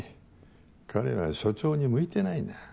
彼は署長に向いてないな。